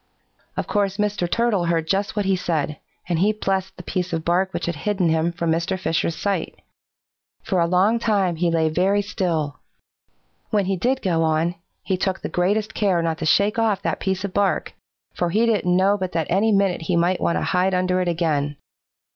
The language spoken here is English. "Of course Mr. Turtle heard just what he said, and he blessed the piece of bark which had hidden him from Mr. Fisher's sight. For a long time he lay very still. When he did go on, he took the greatest care not to shake off that piece of bark, for he didn't know but that any minute he might want to hide under it again.